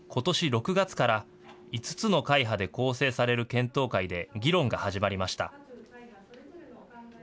６月から５つの会派で構成される検討会で議論が始まりました。